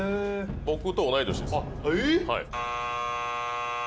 僕と同い年ですえっ？